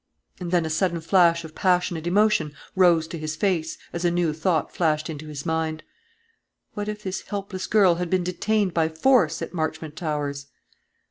And then a sudden flush of passionate emotion rose to his face, as a new thought flashed into his mind. What if this helpless girl had been detained by force at Marchmont Towers?